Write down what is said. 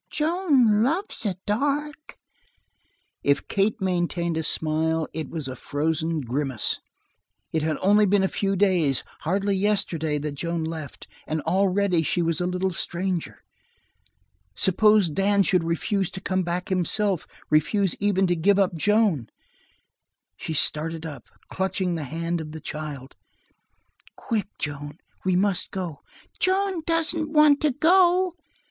Joan loves the dark." If Kate maintained a smile, it was a frozen grimace. It had only been a few days hardly yesterday that Joan left, and already she was a little stranger. Suppose Dan should refuse to come back himself; refuse even to give up Joan! She started up, clutching the hand of the child. "Quick, Joan, we must go!" "Joan doesn't want to go!"